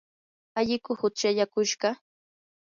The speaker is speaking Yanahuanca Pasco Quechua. alliku hutsallikushqa.